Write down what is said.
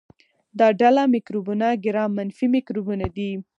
دا ډله مکروبونه ګرام منفي مکروبونه دي.